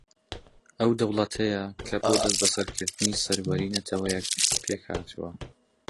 ئەو دەوڵەتەیە کە بۆ دەستەبەرکردنی سەروەریی نەتەوەیەک پێک ھاتووە